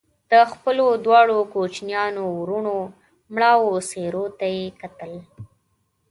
د خپلو دواړو کوچنيانو وروڼو مړاوو څېرو ته يې کتل